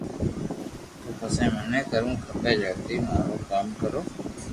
تو پسو مني ڪرووہ کپي جلدو مارو ڪوم ڪرو